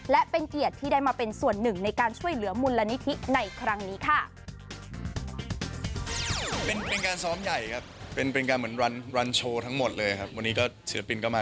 และเป็นเกียรติที่ได้มาเป็นส่วนหนึ่งในการช่วยเหลือมูลนิธิในครั้งนี้ค่ะ